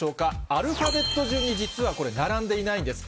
アルファベット順に、実はこれ、並んでいないんです。